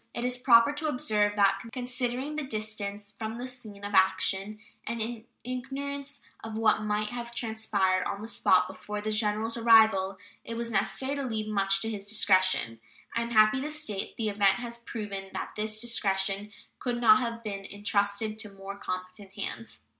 It is proper to observe that, considering the distance from the scene of action and in ignorance of what might have transpired on the spot before the General's arrival, it was necessary to leave much to his discretion; and I am happy to state the event has proven that this discretion could not have been intrusted to more competent hands.